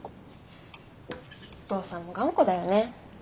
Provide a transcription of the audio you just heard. お父さんも頑固だよね。